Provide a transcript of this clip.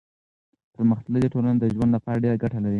پرمختللي ټولنې د ژوند لپاره ډېر ګټې لري.